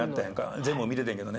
全部見ててんけどね。